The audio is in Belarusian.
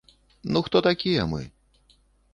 Ну хто такія мы.